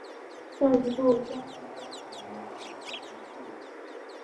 这一步会将铵盐转化成氨。